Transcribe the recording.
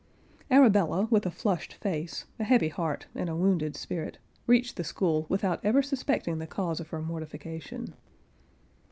Arabella with a flushed face, a heavy heart, and a wounded spirit, reached the school, without ever suspecting the cause of her mortification.